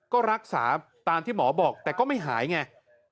ก็รักษาตามที่หมอบอกแต่ก็ไม่หายไง